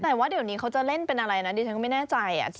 แต่ว่าเดี๋ยวนี้เขาจะเล่นเป็นอะไรนะดิฉันก็ไม่แน่ใจ